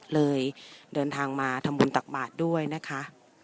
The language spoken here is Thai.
เลยเดินทางมาทำบุญตักบาทด้วยนะคะ